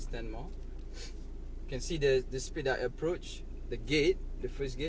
มันจะแสดงความต่างกับความรู้สึกที่สุด